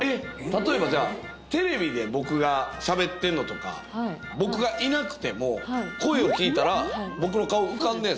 例えばじゃあテレビで僕がしゃべってんのとかはいはい僕がいなくても声を聴いたら僕の顔浮かんでんですか？